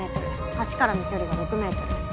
橋からの距離が６ｍ。